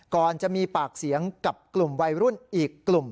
ก่อนจะมีปากเสียงกับกลุ่มวัยรุ่นอีกกลุ่ม